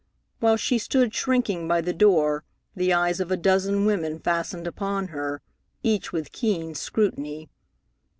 While she stood shrinking by the door the eyes of a dozen women fastened upon her, each with keen scrutiny.